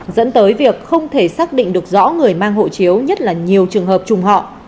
dẫn tới việc không thể xác định được rõ người mang hộ chiếu nhất là nhiều trường hợp trùng họ